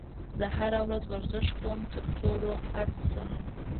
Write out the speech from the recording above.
زه هره ورځ ورزش کوم ترڅو روغ پاتې شم